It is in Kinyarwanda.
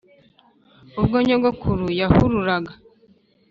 ubwo nyogokuru yahururaga